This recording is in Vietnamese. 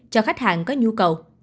cho khách hàng có nhu cầu